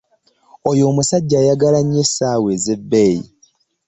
Oyo omusajja ayagala nnyo essaawa z'ebbeeyi.